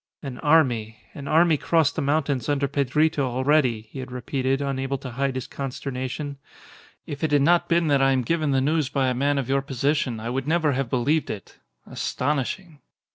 "An army an army crossed the mountains under Pedrito already," he had repeated, unable to hide his consternation. "If it had not been that I am given the news by a man of your position I would never have believed it. Astonishing!"